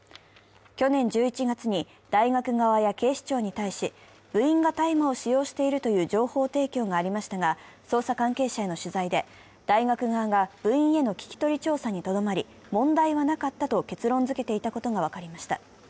去年１１月に大学側や警視庁に対し、部員が大麻を使用しているという情報提供がありましたが、捜査関係者への取材で、大学側が部員への聞き取り調査にとどまり、問題はなかったと結論づけていたことが分かりました。